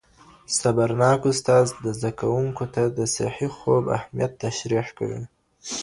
صبرناک استاد زده کوونکو ته د صحي خوب اهمیت تشریح کوي.